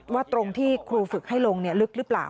ตรงที่ครูฝึกให้ลงลึกหรือเปล่า